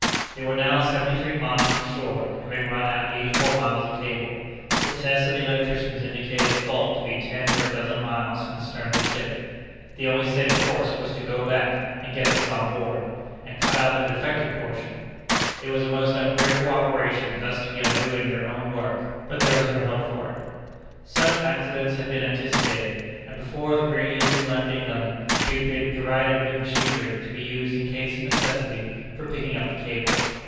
They were now seventy three miles from shore, having run out eighty four miles of cable. The tests of the electricians indicated the fault to be ten or a dozen miles from the stern of the ship. The only safe course was to go back and get this on board, and cut out the defective portion. It was a most ungrateful operation thus to be undoing their own work, but there was no help for it. Such accidents had been anticipated, and before the Great Eastern left England, she had been provided with machinery to be used in case of necessity for picking up the cable.